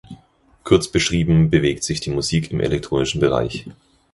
Kurz beschrieben bewegt sich die Musik im elektronischen Bereich.